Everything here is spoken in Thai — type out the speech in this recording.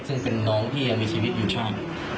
ซึ่งเป็นน้องที่ยังมีชีวิตอยู่ใช่